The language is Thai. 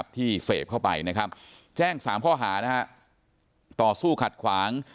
ที่เสพเข้าไปนะครับแจ้ง๓ข้อหาต่อสู้ขัดขวาง